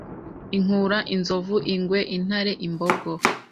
Inkura, Inzovu, Ingwe, Intare, Imbogo